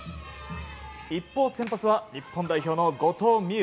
一方、先発は日本代表の後藤希友。